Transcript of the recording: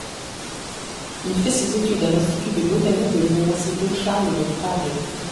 Il fait ses études à l'institut de botanique de l’université Charles de Prague.